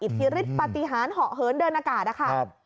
อิทธิฤทธิ์ปฏิหารเหาะเหินเดินอากาศ